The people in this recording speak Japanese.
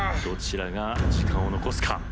どちらが時間を残すか？